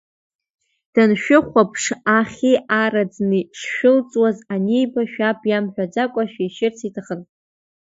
Даншәыхәаԥш, ахьи араӡни шшәылҵуаз аниба, шәаб иамҳәаӡакәа шәишьырц иҭахын.